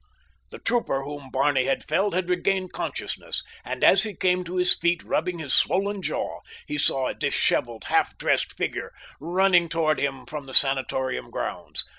The trooper whom Barney had felled had regained consciousness and as he came to his feet rubbing his swollen jaw he saw a disheveled, half dressed figure running toward him from the sanatorium grounds.